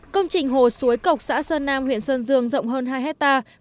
công trình hồ suối cộc xã sơn nam huyện sơn dương rộng hơn hai hectare